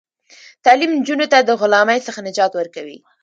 تعلیم نجونو ته د غلامۍ څخه نجات ورکوي.